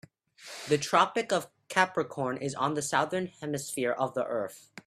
The Tropic of Capricorn is on the Southern Hemisphere of the earth.